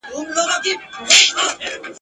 یوه ورځ به ته هم وینې د سرو میو ډک خمونه ..